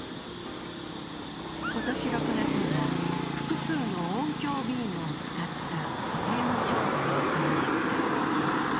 今年６月には、複数の音響ビームを使った湖底の調査が行われた。